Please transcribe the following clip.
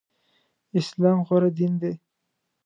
اسلام غوره دين دی.